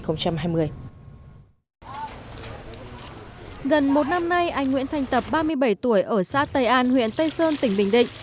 gần một năm nay anh nguyễn thanh tập ba mươi bảy tuổi ở xã tây an huyện tây sơn tỉnh bình định